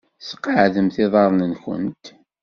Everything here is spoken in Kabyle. Sqeɛdemt iḍarren-nwent.